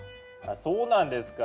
そうなんですか？